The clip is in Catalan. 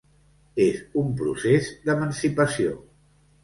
És un procés d’emancipació.